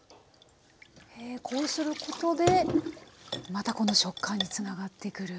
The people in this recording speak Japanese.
こうすることでまたこの食感につながってくる。